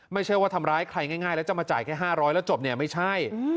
ไม่ใช่ว่าทำร้ายใครง่ายแล้วจะมาจ่ายแค่๕๐๐แล้วจบเนี่ยไม่ใช่